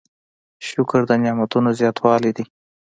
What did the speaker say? شکر د نعمتونو زیاتوالی دی.